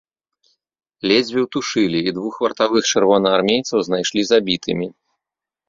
Ледзьве ўтушылі, і двух вартавых чырвонаармейцаў знайшлі забітымі.